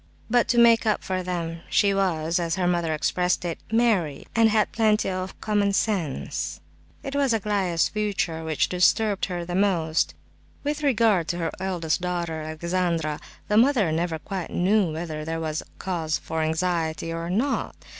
But to make up for them she was, as her mother expressed it, "merry," and had plenty of "common sense." It was Aglaya's future which disturbed her most. With regard to her eldest daughter, Alexandra, the mother never quite knew whether there was cause for anxiety or not.